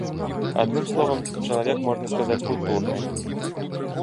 Адным словам, чалавек, можна сказаць, культурны.